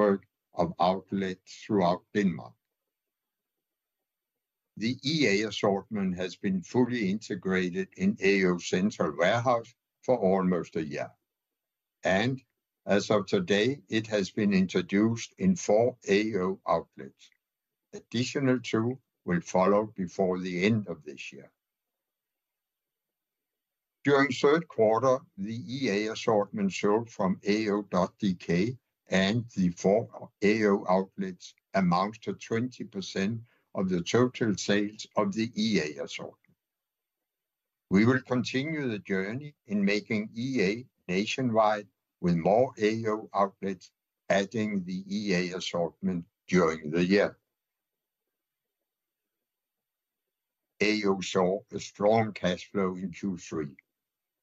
Network of outlets throughout Denmark. The EA assortment has been fully integrated in AO central warehouse for almost a year, and as of today, it has been introduced in 4 AO outlets. Additional 2 will follow before the end of this year. During third quarter, the EA assortment sold from ao.dk and the 4 AO outlets amounts to 20% of the total sales of the EA assortment. We will continue the journey in making EA nationwide, with more AO outlets adding the EA assortment during the year. AO saw a strong cash flow in Q3.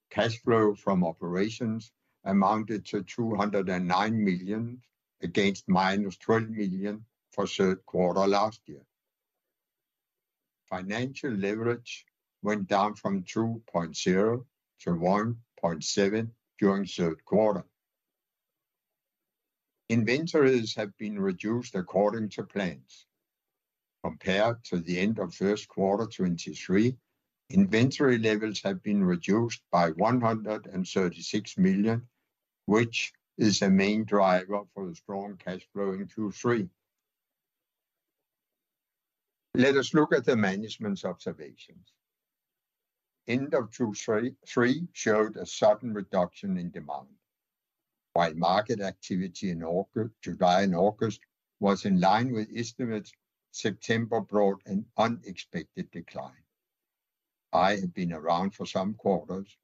Cash flow from operations amounted to 209 million, against -12 million for third quarter last year. Financial leverage went down from 2.0 to 1.7 during third quarter. Inventories have been reduced according to plans. Compared to the end of first quarter 2023, inventory levels have been reduced by 136 million, which is a main driver for the strong cash flow in Q3. Let us look at the management's observations. End of Q3 2023 showed a sudden reduction in demand. While market activity in July and August was in line with estimates, September brought an unexpected decline. I have been around for some quarters,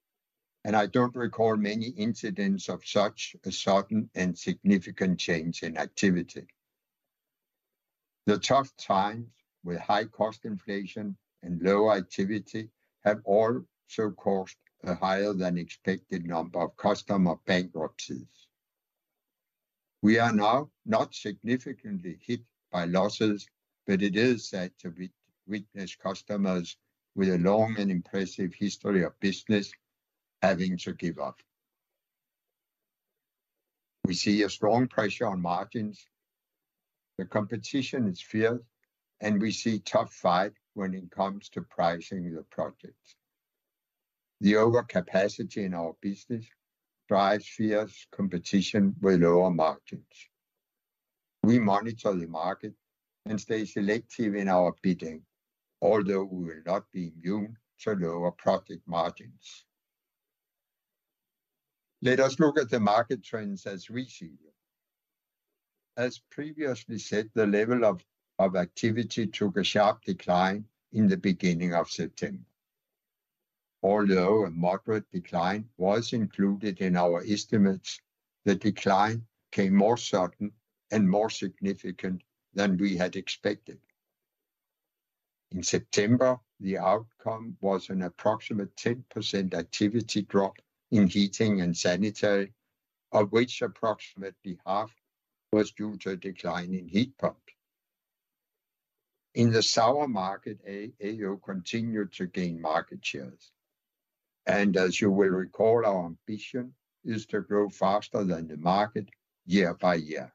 and I don't recall many incidents of such a sudden and significant change in activity. The tough times with high cost inflation and low activity have also caused a higher-than-expected number of customer bankruptcies. We are now not significantly hit by losses, but it is sad to witness customers with a long and impressive history of business having to give up. We see a strong pressure on margins. The competition is fierce, and we see tough fight when it comes to pricing the projects. The overcapacity in our business drives fierce competition with lower margins. We monitor the market and stay selective in our bidding, although we will not be immune to lower project margins. Let us look at the market trends as we see them. As previously said, the level of activity took a sharp decline in the beginning of September. Although a moderate decline was included in our estimates, the decline came more sudden and more significant than we had expected. In September, the outcome was an approximate 10% activity drop in heating and sanitary, of which approximately half was due to a decline in heat pump. In the solar market, AO continued to gain market shares, and as you will recall, our ambition is to grow faster than the market year by year.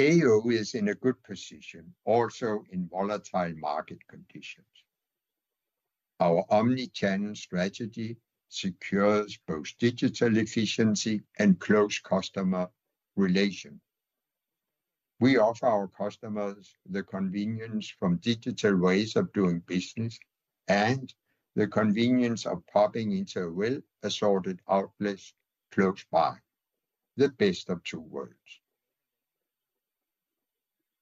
AO is in a good position, also in volatile market conditions. Our Omni-channel strategy secures both digital efficiency and close customer relations. We offer our customers the convenience from digital ways of doing business and the convenience of popping into a well-assorted outlet close by. The best of two worlds.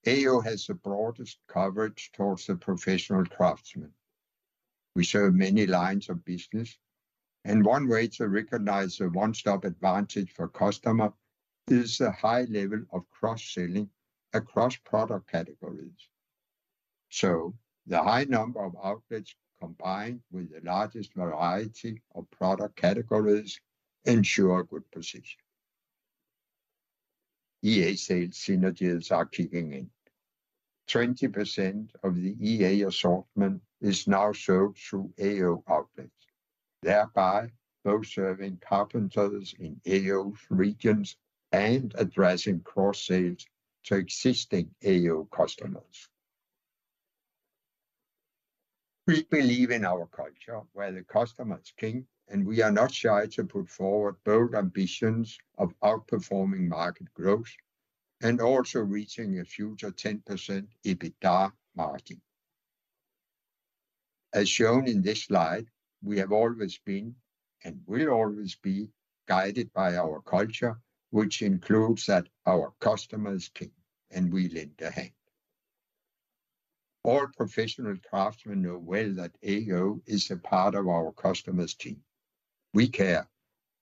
AO has the broadest coverage towards the professional craftsmen. We serve many lines of business, and one way to recognize the one-stop advantage for customers is the high level of cross-selling across product categories. The high number of outlets, combined with the largest variety of product categories, ensure a good position. EA sales synergies are kicking in. 20% of the EA assortment is now sold through AO outlets, thereby both serving carpenters in AO regions and addressing cross-sales to existing AO customers. We believe in our culture, where the customer is king, and we are not shy to put forward bold ambitions of outperforming market growth and also reaching a future 10% EBITDA margin. As shown in this slide, we have always been, and will always be, guided by our culture, which includes that our customer is king, and we lend a hand. All professional craftsmen know well that AO is a part of our customer's team. We care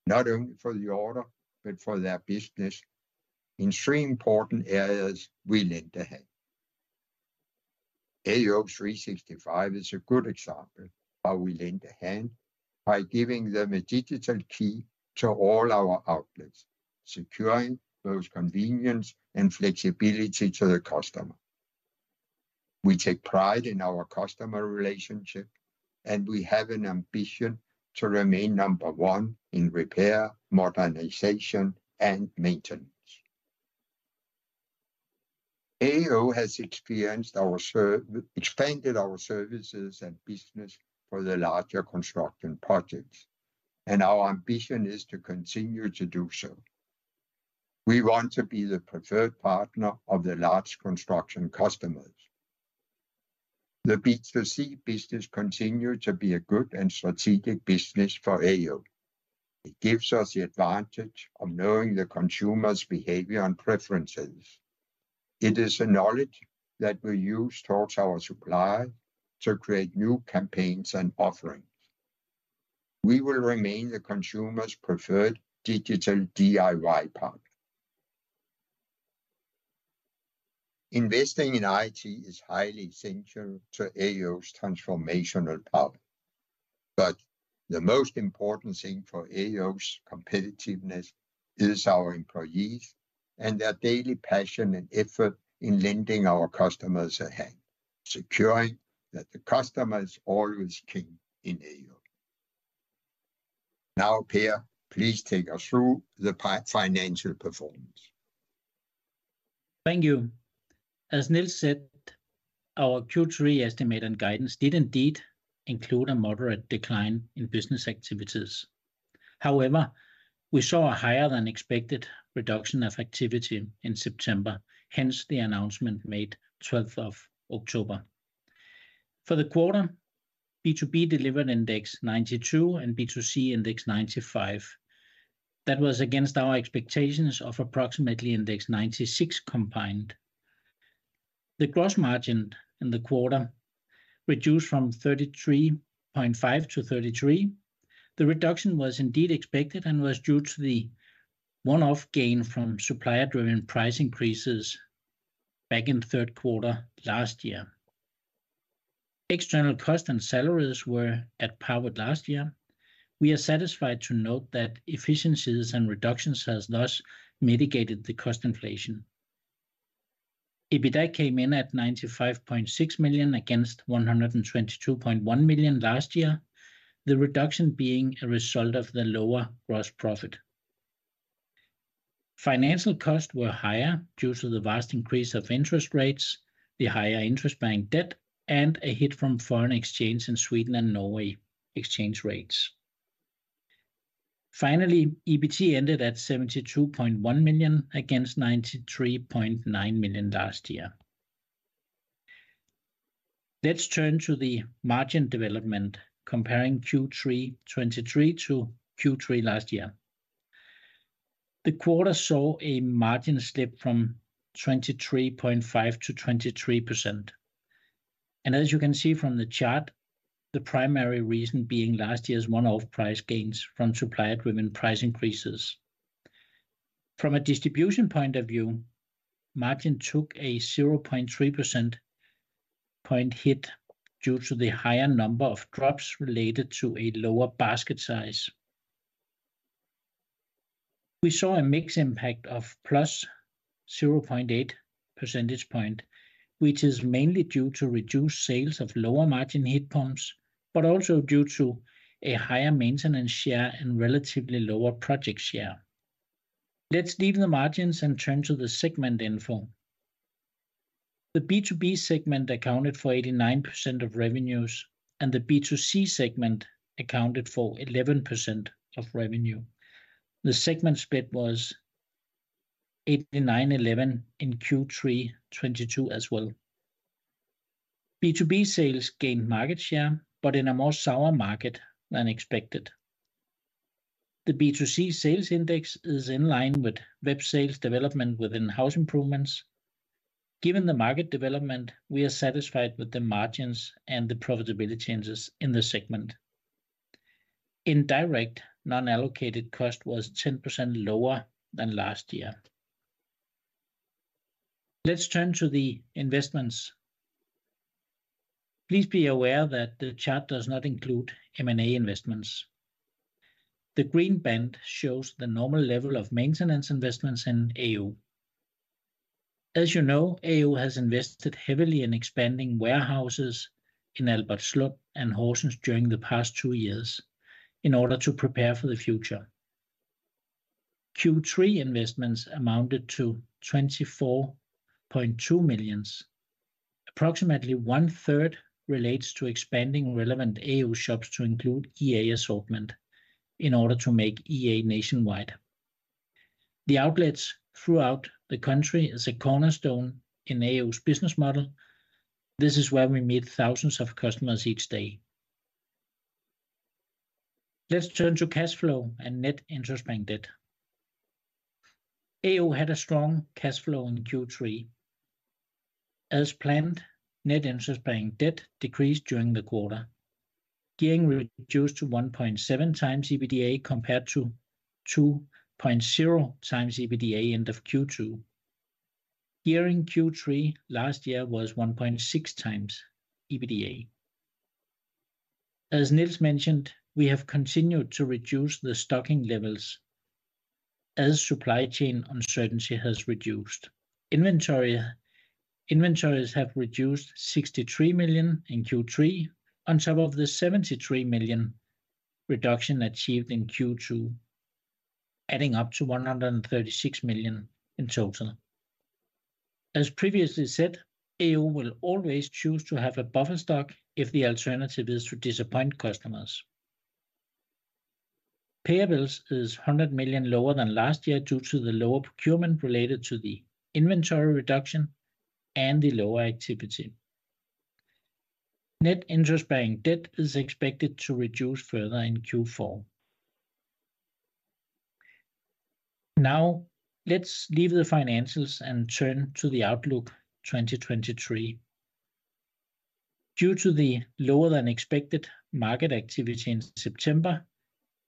not only for the order, but for their business. In three important areas, we lend a hand. AO365 is a good example how we lend a hand by giving them a digital key to all our outlets, securing both convenience and flexibility to the customer. We take pride in our customer relationship, and we have an ambition to remain number one in repair, modernization, and maintenance. AO has expanded our services and business for the larger construction projects, and our ambition is to continue to do so. We want to be the preferred partner of the large construction customers. The B2C business continue to be a good and strategic business for AO. It gives us the advantage of knowing the consumer's behavior and preferences. It is a knowledge that we use toward our supply to create new campaigns and offerings. We will remain the consumer's preferred digital DIY partner. Investing in IT is highly essential to AO's transformational power, but the most important thing for AO's competitiveness is our employees and their daily passion and effort in lending our customers a hand, securing that the customer is always king in AO. Now, Per, please take us through the financial performance. Thank you. As Niels said, our Q3 estimate and guidance did indeed include a moderate decline in business activities. However, we saw a higher-than-expected reduction of activity in September, hence the announcement made 12th of October. For the quarter, B2B delivered index 92, and B2C index 95. That was against our expectations of approximately index 96 combined. The gross margin in the quarter reduced from 33.5 to 33. The reduction was indeed expected and was due to the one-off gain from supplier-driven price increases back in the third quarter last year. External cost and salaries were at par with last year. We are satisfied to note that efficiencies and reductions has thus mitigated the cost inflation. EBITDA came in at 95.6 million, against 122.1 million last year, the reduction being a result of the lower gross profit. Financial costs were higher due to the vast increase of interest rates, the higher interest bank debt, and a hit from foreign exchange in Sweden and Norway exchange rates. Finally, EBT ended at 72.1 million, against 93.9 million last year. Let's turn to the margin development, comparing Q3 2023 to Q3 last year. The quarter saw a margin slip from 23.5% to 23%, and as you can see from the chart, the primary reason being last year's one-off price gains from supplier-driven price increases. From a distribution point of view, margin took a 0.3 percentage point hit due to the higher number of drops related to a lower basket size. We saw a mixed impact of +0.8 percentage point, which is mainly due to reduced sales of lower-margin heat pumps, but also due to a higher maintenance share and relatively lower project share. Let's leave the margins and turn to the segment info. The B2B segment accounted for 89% of revenues, and the B2C segment accounted for 11% of revenue. The segment split was 89/11 in Q3 2022 as well. B2B sales gained market share, but in a more sour market than expected. The B2C sales index is in line with web sales development within house improvements. Given the market development, we are satisfied with the margins and the profitability changes in the segment. Indirect non-allocated cost was 10% lower than last year. Let's turn to the investments. Please be aware that the chart does not include M&A investments. The green band shows the normal level of maintenance investments in AO. As you know, AO has invested heavily in expanding warehouses in Albertslund and Horsens during the past two years in order to prepare for the future. Q3 investments amounted to 24.2 million. Approximately one third relates to expanding relevant AO shops to include EA assortment in order to make EA nationwide. The outlets throughout the country is a cornerstone in AO's business model. This is where we meet thousands of customers each day. Let's turn to cash flow and net interest-bearing debt. AO had a strong cash flow in Q3. As planned, net interest-bearing debt decreased during the quarter, gearing reduced to 1.7x EBITDA, compared to 2.0x EBITDA end of Q2. Gearing Q3 last year was 1.6x EBITDA. As Niels mentioned, we have continued to reduce the stocking levels as supply chain uncertainty has reduced. Inventories have reduced 63 million in Q3, on top of the 73 million reduction achieved in Q2, adding up to 136 million in total. As previously said, AO will always choose to have a buffer stock if the alternative is to disappoint customers. Payables is 100 million lower than last year due to the lower procurement related to the inventory reduction and the lower activity. Net interest-bearing debt is expected to reduce further in Q4. Now, let's leave the financials and turn to the outlook 2023. Due to the lower-than-expected market activity in September,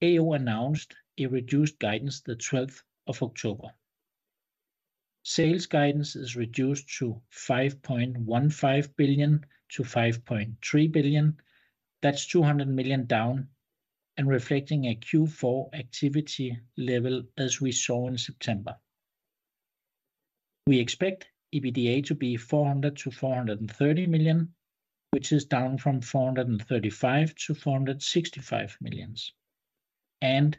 AO announced a reduced guidance the 12th of October. Sales guidance is reduced to 5.15 billion-5.3 billion. That's 200 million down, and reflecting a Q4 activity level as we saw in September. We expect EBITDA to be 400 million-430 million, which is down from 435 million-465 million, and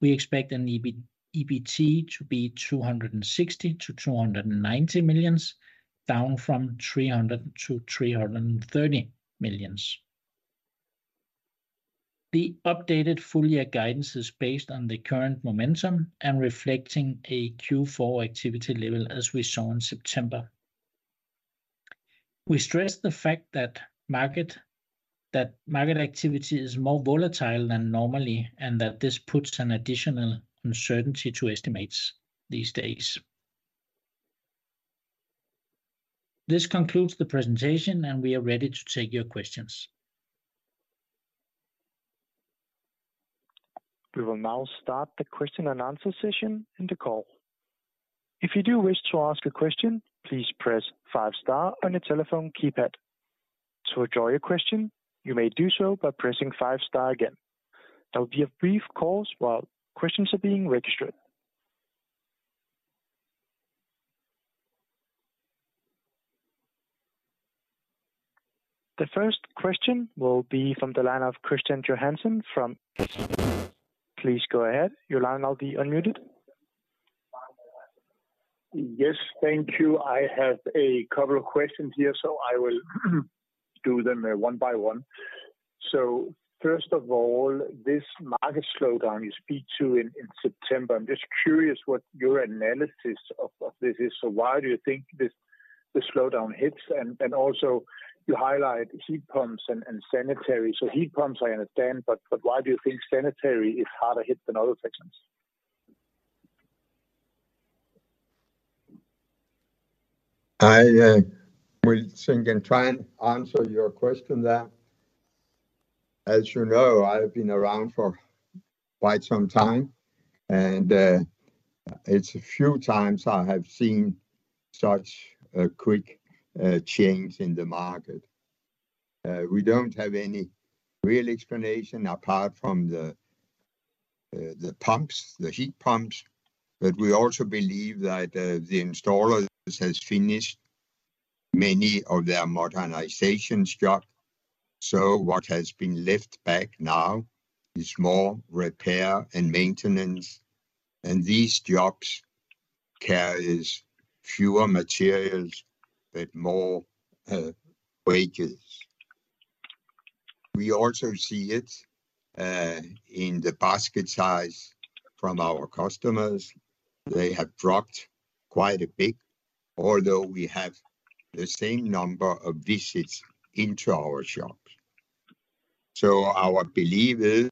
we expect an EBT to be 260 million-290 million, down from 300 million-330 million. The updated full year guidance is based on the current momentum and reflecting a Q4 activity level, as we saw in September. We stress the fact that market, that market activity is more volatile than normally, and that this puts an additional uncertainty to estimates these days. This concludes the presentation, and we are ready to take your questions. We will now start the question and answer session in the call. If you do wish to ask a question, please press five star on your telephone keypad. To withdraw your question, you may do so by pressing five star again. There will be a brief pause while questions are being registered. The first question will be from the line of Christian Johansen from, please go ahead. Your line now be unmuted. Yes, thank you. I have a couple of questions here, so I will do them one by one. So first of all, this market slowdown you speak to in September, I'm just curious what your analysis of this is. So why do you think the slowdown hits? And also you highlight heat pumps and sanitary. So heat pumps, I understand, but why do you think sanitary is harder hit than other sections? I will think and try and answer your question there. As you know, I've been around for quite some time, and it's a few times I have seen such a quick change in the market. We don't have any real explanation apart from the pumps, the heat pumps, but we also believe that the installers has finished many of their modernization jobs. So what has been left back now is more repair and maintenance, and these jobs carries fewer materials, but more wages. We also see it in the basket size from our customers. They have dropped quite a bit, although we have the same number of visits into our shops. So our belief is,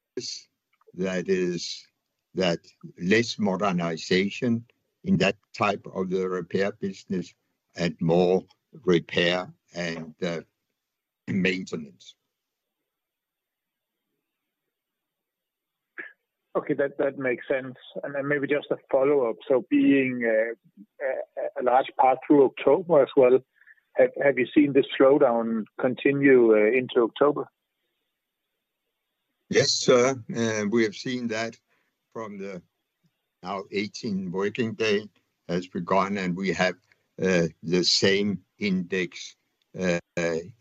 that is, that less modernization in that type of the repair business and more repair and maintenance. Okay, that makes sense. Then maybe just a follow-up, so being a large part through October as well, have you seen this slowdown continue into October? Yes, sir. We have seen that from the now 18 working day has begun, and we have the same index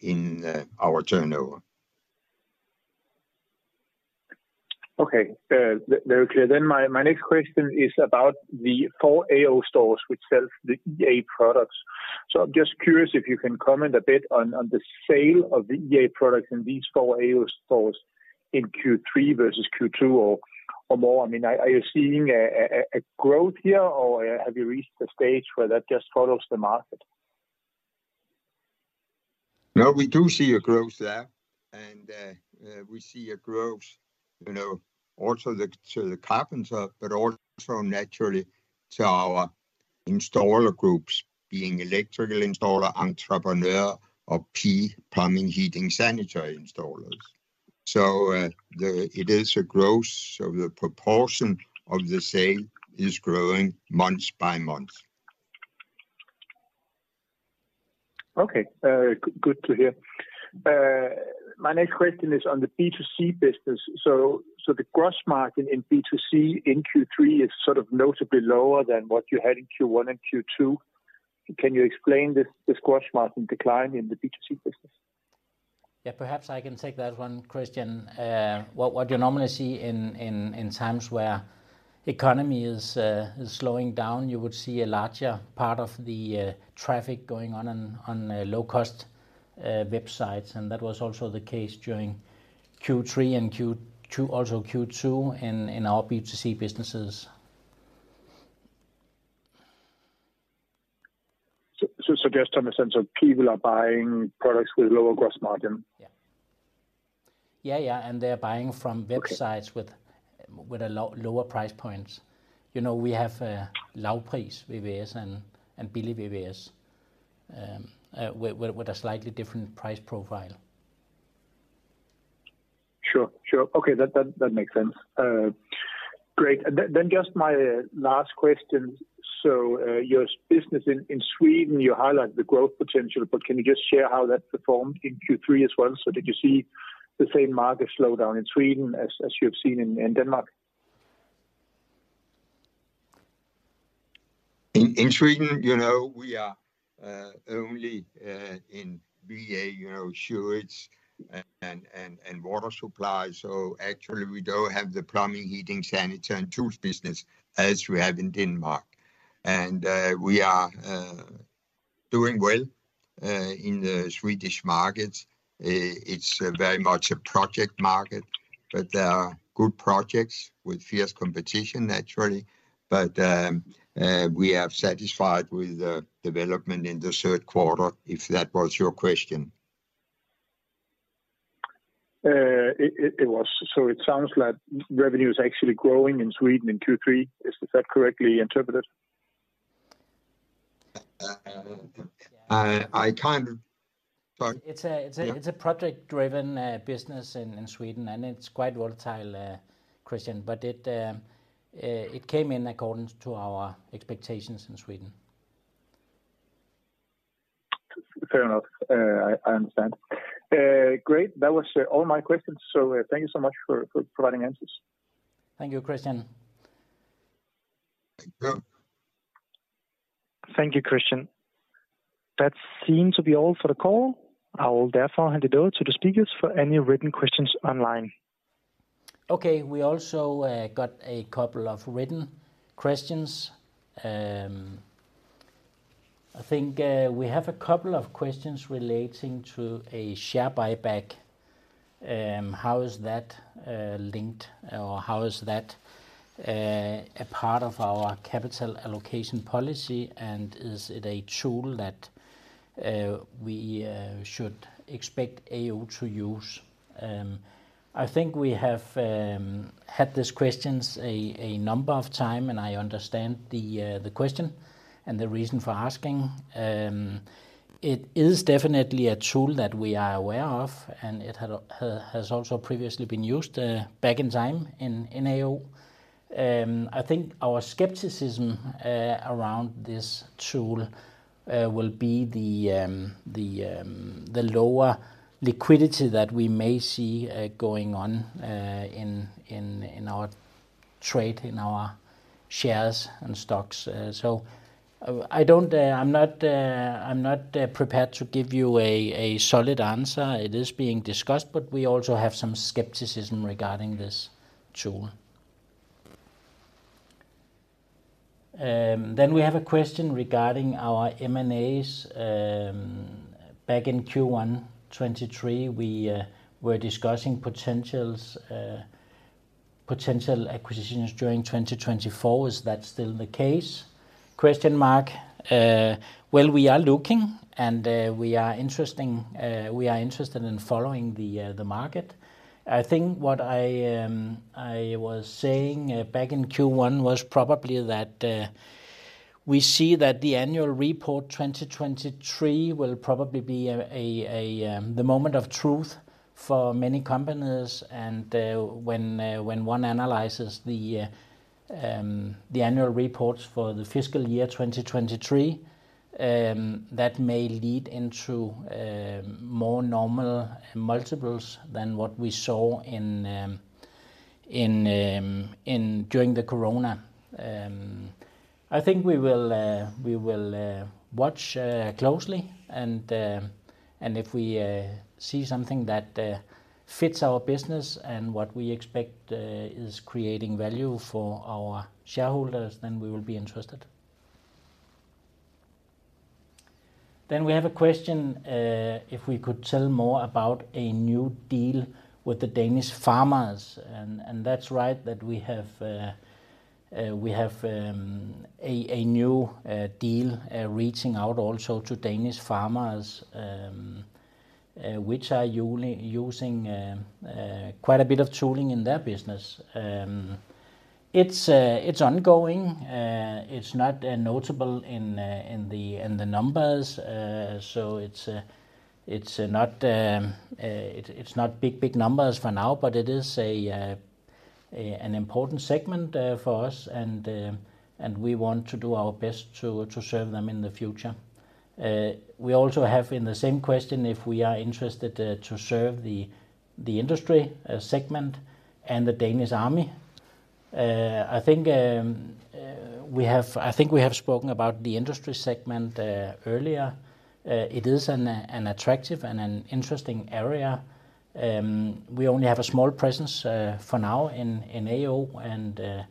in our turnover. Okay, very clear. Then my next question is about the four AO stores which sell the EA products. So I'm just curious if you can comment a bit on the sale of the EA products in these four AO stores in Q3 versus Q2 or more? I mean, are you seeing a growth here, or have you reached the stage where that just follows the market? No, we do see a growth there, and we see a growth, you know, also to the carpenter, but also naturally to our installer groups, being electrical installer, entrepreneur, or P, plumbing, heating, sanitary installers. So, it is a growth, so the proportion of the sale is growing month by month. Okay, good to hear. My next question is on the B2C business. So, the gross margin in B2C in Q3 is sort of notably lower than what you had in Q1 and Q2. Can you explain this gross margin decline in the B2C business? Yeah, perhaps I can take that one, Christian. What you normally see in times where economy is slowing down, you would see a larger part of the traffic going on low-cost websites, and that was also the case during Q3 and Q2, also Q2 in our B2C businesses. So, just in the sense of people are buying products with lower gross margin? Yeah. Yeah, yeah, and they're buying from websites with a lower price points. You know, we have LavprisVVS and BilligVVS with a slightly different price profile. Sure. Okay, that makes sense. Great. And then just my last question: so, your business in Sweden, you highlight the growth potential, but can you just share how that performed in Q3 as well? So did you see the same market slowdown in Sweden as you have seen in Denmark? In Sweden, you know, we are only in VA, you know, sewage and water supply. So actually we don't have the plumbing, heating, sanitary, and tools business as we have in Denmark. And we are doing well in the Swedish market. It's very much a project market, but there are good projects with fierce competition, naturally. But we are satisfied with the development in the third quarter, if that was your question. It was. So it sounds like revenue is actually growing in Sweden in Q3. Is that correctly interpreted? I kind of. Sorry. It's a project-driven business in Sweden, and it's quite volatile, Christian, but it came in accordance to our expectations in Sweden. Fair enough. I understand. Great, that was all my questions, so thank you so much for providing answers. Thank you, Christian. Thank you. Thank you, Christian. That seemed to be all for the call. I will therefore hand it over to the speakers for any written questions online. Okay. We also got a couple of written questions. I think we have a couple of questions relating to a share buyback. How is that linked, or how is that a part of our capital allocation policy, and is it a tool that we should expect AO to use? I think we have had these questions a number of times, and I understand the question and the reason for asking. It is definitely a tool that we are aware of, and it has also previously been used back in time in AO. I think our skepticism around this tool will be the lower liquidity that we may see going on in our trade in our shares and stocks. So I don't, I'm not prepared to give you a solid answer. It is being discussed, but we also have some skepticism regarding this tool. Then we have a question regarding our M&As. Back in Q1 2023, we were discussing potentials, potential acquisitions during 2024. Is that still the case? Question mark. Well, we are looking, and we are interested in following the market. I think what I was saying back in Q1 was probably that we see that the annual report 2023 will probably be the moment of truth for many companies. When one analyzes the annual reports for the fiscal year 2023, that may lead into more normal multiples than what we saw during the Corona. I think we will watch closely and if we see something that fits our business and what we expect is creating value for our shareholders, then we will be interested. Then we have a question if we could tell more about a new deal with the Danish farmers, and that's right, that we have a new deal reaching out also to Danish farmers, which are using quite a bit of tooling in their business. It's ongoing. It's not notable in the numbers. So it's not big numbers for now, but it is an important segment for us, and we want to do our best to serve them in the future. We also have in the same question, if we are interested to serve the industry segment and the Danish army. I think we have spoken about the industry segment earlier. It is an attractive and an interesting area. We only have a small presence for now in AO, and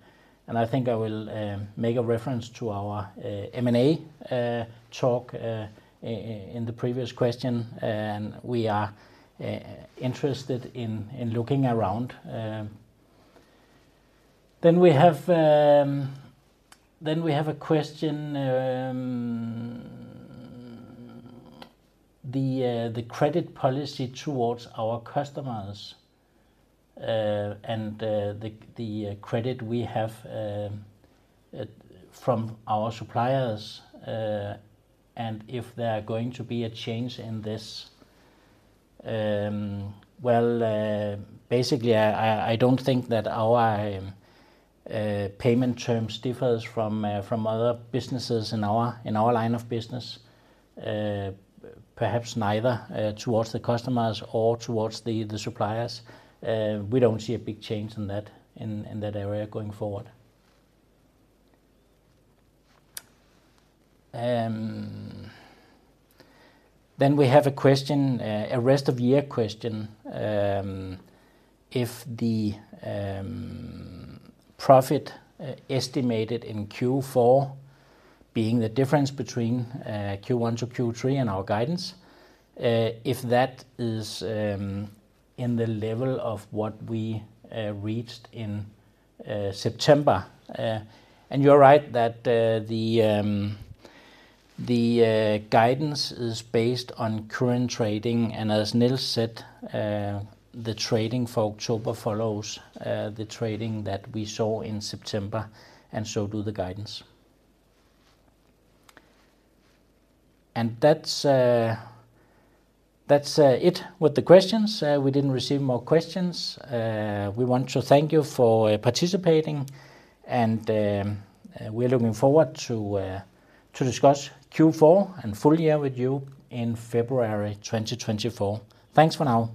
I think I will make a reference to our M&A talk in the previous question, and we are interested in looking around. Then we have a question, the credit policy towards our customers, and the credit we have from our suppliers, and if there are going to be a change in this. Well, basically, I don't think that our payment terms differs from other businesses in our line of business, perhaps neither towards the customers or towards the suppliers. We don't see a big change in that area going forward. Then we have a question, a rest of year question. If the profit estimated in Q4 being the difference between Q1 to Q3 and our guidance, if that is in the level of what we reached in September. And you're right that the guidance is based on current trading. And as Niels said, the trading for October follows the trading that we saw in September, and so do the guidance. And that's it with the questions. We didn't receive more questions. We want to thank you for participating, and we are looking forward to discuss Q4 and full year with you in February 2024. Thanks for now.